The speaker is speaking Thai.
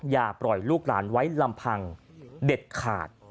อย่าปล่อยลูกหลานไว้ลำพังเด็ดขาด